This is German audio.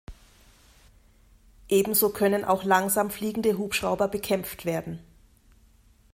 Ebenso können auch langsam fliegende Hubschrauber bekämpft werden.